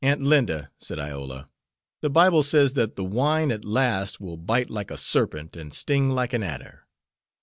"Aunt Linda," said Iola, "the Bible says that the wine at last will bite like a serpent and sting like an adder."